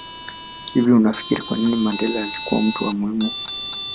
Hivi unafikiri kwanini Mandela alikua mtu muhimu